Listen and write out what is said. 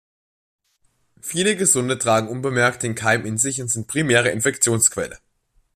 Viele Gesunde tragen unbemerkt den Keim in sich und sind die primäre Infektionsquelle.